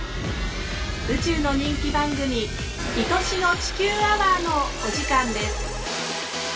宇宙の人気番組「いとしの地球アワー」のお時間です。